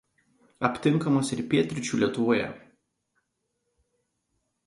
Aptinkamas ir Pietryčių Lietuvoje.